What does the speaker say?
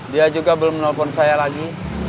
dia juga belum menelpon saya lagi